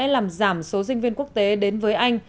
làm giảm số sinh viên quốc tế đến với anh